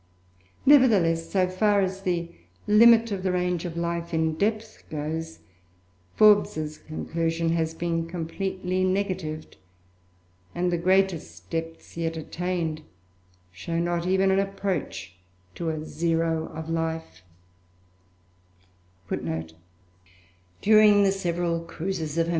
Nevertheless, so far as the limit of the range of life in depth goes, Forbes' conclusion has been completely negatived, and the greatest depths yet attained show not even an approach to a "zero of life": "During the several cruises of H.M.